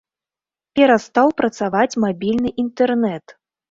Перастаў працаваць мабільны інтэрнэт.